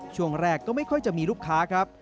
ช่วงแรกก็ไม่ค่อยจะมีลูกค้าครับ